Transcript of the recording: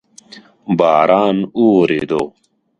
باران اوورېدو؟